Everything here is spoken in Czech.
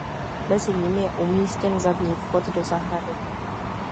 Mezi nimi je umístěn zadní vchod do zahrady.